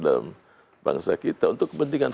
dalam bangsa kita untuk kepentingan